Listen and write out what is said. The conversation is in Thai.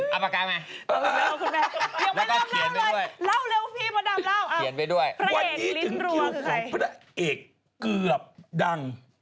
เอาปากกาไหมแล้วก็เขียนไปด้วยเล่าเร็วพี่มาดำเล่าอ่ะพระเอกลิ้นรัวคือใครวันนี้ถึงเกี่ยวของพระเอกเกือบดัง